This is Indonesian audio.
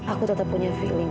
aku tetap punya feeling